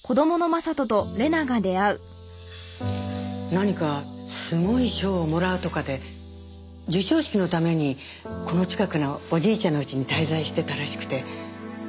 何かすごい賞をもらうとかで授賞式のためにこの近くのおじいちゃんのうちに滞在してたらしくて。